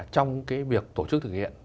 trong cái việc tổ chức thực hiện